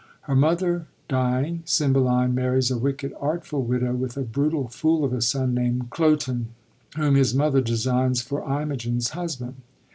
Her mother dying, Cymbeline marides a wicked, artful widow with a brutal fool of a son named Cloten, whom his mother designs for Imogen's husband.